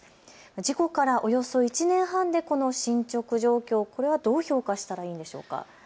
事故からおよそ１年半でこの進捗状況、これはどう評価したらいいでしょうか。